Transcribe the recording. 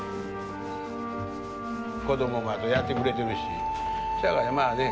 子どもまでやってくれてるしそやからまあね